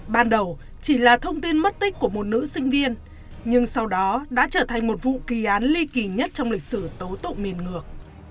ban đầu chỉ là thông tin mất tích của một nữ sinh viên nhưng sau đó đã trở thành một vụ kỳ án ly kỳ nhất trong lịch sử tố tụng miền ngược